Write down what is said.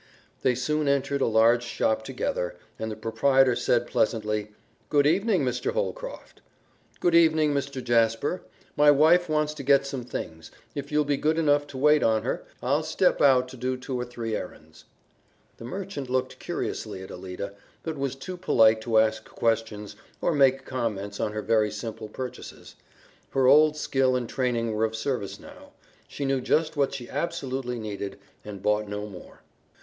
They soon entered a large shop together, and the proprietor said pleasantly, "Good evening, Mr. Holcroft." "Good evening, Mr. Jasper. My wife wants to get some things. If you'll be good enough to wait on her, I'll step out to do two or three errands." The merchant looked curiously at Alida, but was too polite to ask questions or make comments on her very simple purchases. Her old skill and training were of service now. She knew just what she absolutely needed, and bought no more.